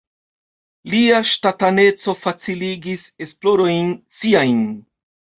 Lia ŝtataneco faciligis esplorojn siajn.